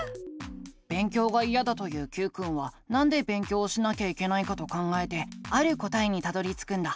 勉強がいやだと言うＱくんはなんで勉強をしなきゃいけないかと考えてある答えにたどりつくんだ。